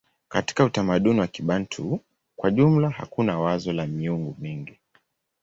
Katika utamaduni wa Kibantu kwa jumla hakuna wazo la miungu mingi.